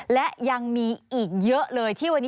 และยังมีอีกเยอะเลยที่วันนี้